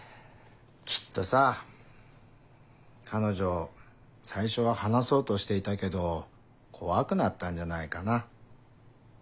きっとさ彼女最初は話そうとしていたけど怖くなったんじゃないかな。